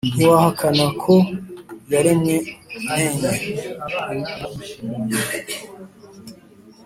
ntiwahakana ko yaremwe n' enye